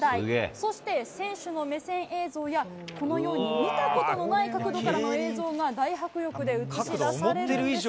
そして選手の目線映像や、このように見たことのない角度からの映像が大迫力で映し出されるんです。